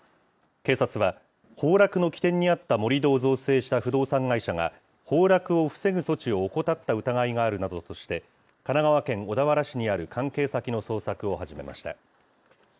警察は、崩落の起点にあった盛り土を造成した不動産会社が、崩落を防ぐ措置を怠った疑いがあるなどとして、神奈川県小田原市にある関係先の捜索を始めました。